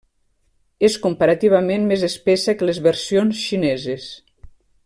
És comparativament més espessa que les versions xineses.